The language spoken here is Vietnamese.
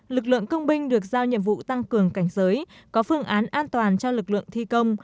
lực lượng công binh được giao nhiệm vụ tăng cường cảnh giới có phương án an toàn cho lực lượng thi công